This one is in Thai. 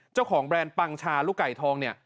เจ้าของแบรนด์ปังชาลูกไก่ทอง